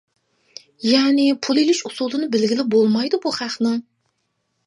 يەنى پۇل ئېلىش ئۇسۇلىنى بىلگىلى بولمايدۇ بۇ خەقنىڭ.